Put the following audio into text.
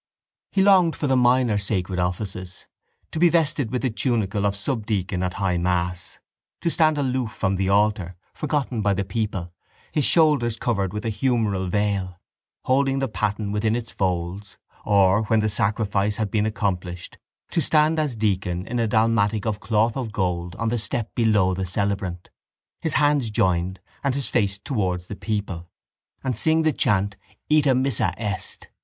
He longed for the minor sacred offices, to be vested with the tunicle of subdeacon at high mass, to stand aloof from the altar, forgotten by the people, his shoulders covered with a humeral veil, holding the paten within its folds or, when the sacrifice had been accomplished, to stand as deacon in a dalmatic of cloth of gold on the step below the celebrant, his hands joined and his face towards the people, and sing the chant, _Ite missa est.